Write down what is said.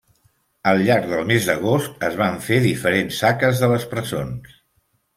Al llarg del mes d'agost es van fent diferents saques de les presons.